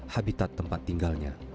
habitat tempat tinggalnya